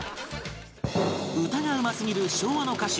歌がうますぎる昭和の歌手